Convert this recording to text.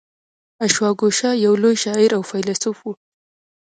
اشواګوشا یو لوی شاعر او فیلسوف و